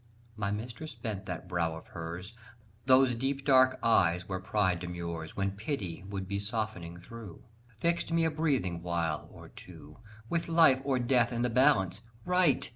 My mistress bent that brow of hers; Those deep dark eyes where pride demurs When pity would be softening through, Fixed me a breathing while or two With life or death in the balance: right!